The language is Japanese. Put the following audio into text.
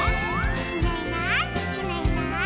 「いないいないいないいない」